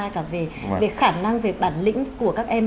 cả về khả năng về bản lĩnh của các em